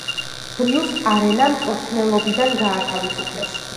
ბრიუს არენა მწვრთნელობიდან გაათავისუფლეს.